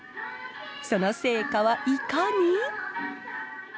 その成果はいかに！